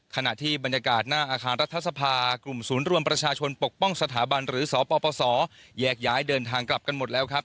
ขณะที่บรรยากาศหน้าอาคารรัฐสภากลุ่มศูนย์รวมประชาชนปกป้องสถาบันหรือสปสแยกย้ายเดินทางกลับกันหมดแล้วครับ